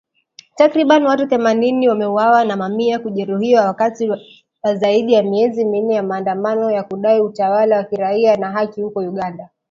Takribani watu themanini wameuawa na mamia kujeruhiwa wakati wa zaidi ya miezi minne ya maandamano ya kudai utawala wa kiraia na haki huko Uganda.